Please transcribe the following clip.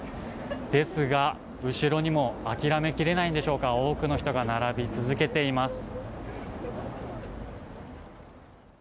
ですが、後ろにも諦めきれないんでしょうか多くの人が並び続けています。